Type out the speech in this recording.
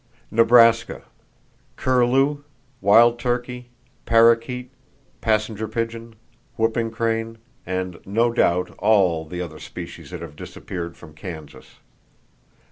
Nebraska: Curlew, wild turkey, parrakeet, passenger pigeon, whooping crane, and no doubt all the other species that have disappeared from Kansas.